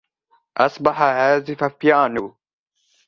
أصبح عازف بيانو.